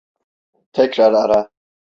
Tekrar ara.